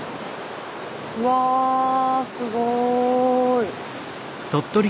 うわすごい。